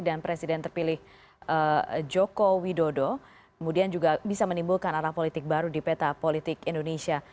dan presiden terpilih joko widodo kemudian juga bisa menimbulkan arah politik baru di peta politik indonesia